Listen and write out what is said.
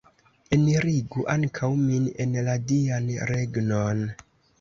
Enirigu ankaŭ min en la Dian regnon!